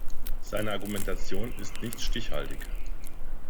Seine Argumentation ist nicht stichhaltig.